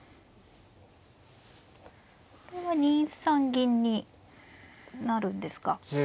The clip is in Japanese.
これは２三銀になるんですか。